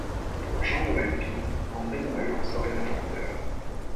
Pour Jean-Robert Pitte, André Noël en serait l'inventeur.